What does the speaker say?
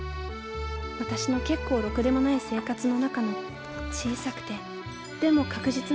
私の結構ろくでもない生活の中の小さくてでも確実な光だった。